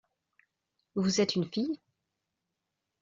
Vous êtes une fille ?